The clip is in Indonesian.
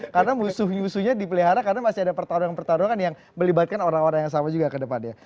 karena musuh musuhnya dipelihara karena masih ada pertarungan pertarungan yang melibatkan orang orang yang sama juga ke depannya